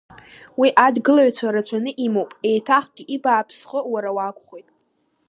Уи адгылаҩцәа рацәаҩны имоуп, еиҭахгьы ибааԥсхо уара уакәхоит!